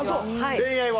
恋愛は？